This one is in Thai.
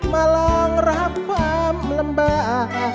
มารองรับความลำบาก